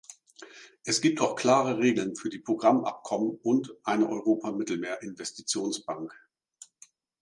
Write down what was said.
Es gibt auch klare Regeln für die Programmabkommen und eine Europa-Mittelmeer-Investitionsbank.